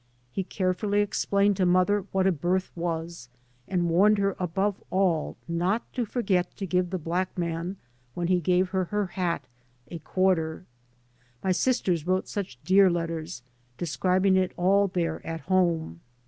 He carefully explained to mother what . a berth was, and warned her above all not to forget to give the black man, when he gave her her hat, a quarter. My sisters wrote such dear letters, describing it all there at home.